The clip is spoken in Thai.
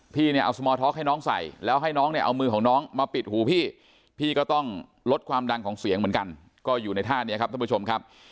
พี่เนี่ยเอาสมอร์ท็อกให้น้องใส่แล้วให้น้องเนี่ยเอามือของน้องมาปิดหูพี่พี่ก็ต้องลดความดังของเสียงเหมือนกันก็อยู่ในท่านี้ครับท่านผู้ชมครับ